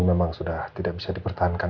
memang sudah tidak bisa dipertahankan